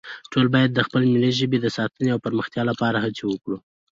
ټول باید د خپلې ملي ژبې د ساتنې او پرمختیا لپاره هڅې وکړو